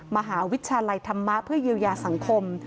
มหาวิทยาลัยธรรมะเพื่อเยียวยาสังคม